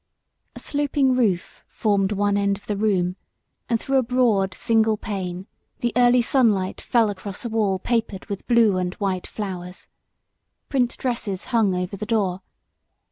II A sloping roof formed one end of the room, and through a broad, single pane the early sunlight fell across a wall papered with blue and white flowers. Print dresses hung over the door.